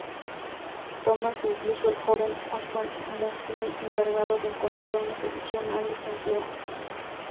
Thomas e incluso el joven Oswald Mosley, encargado de encontrar una solución al desempleo.